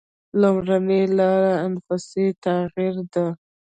لومړۍ لاره انفسي تغییر ده.